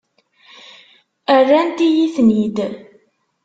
Rrant-iyi-ten-id.